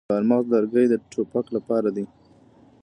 د چهارمغز لرګي د ټوپک لپاره دي.